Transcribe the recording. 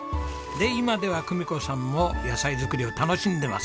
で今では久美子さんも野菜作りを楽しんでます。